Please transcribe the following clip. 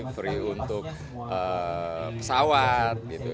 free untuk pesawat gitu